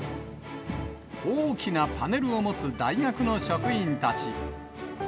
大きなパネルを持つ大学の職員たち。